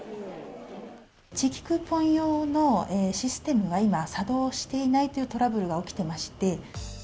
地域クーポン用のシステムが今、作動していないというトラブルが起きてまして。